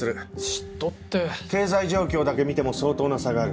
経済状況だけ見ても相当な差がある。